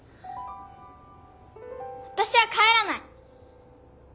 私は帰らない！